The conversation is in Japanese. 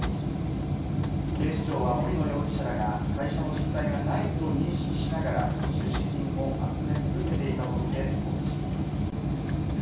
警視庁は森野容疑者らが会社の実体がないと認識しながら、出資金を集め続けていたとみて捜査しています。